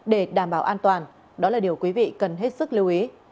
để đảm bảo an toàn đó là điều quý vị cần hết sức lưu ý